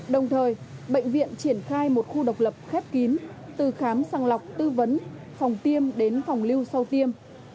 đồng thời bệnh viện triển khai một khu độc lập khép kín từ khám sàng lọc tư vấn phòng tiêm đến phòng lưu sau tiêm